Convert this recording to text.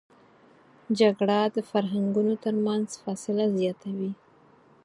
جګړه د فرهنګونو تر منځ فاصله زیاتوي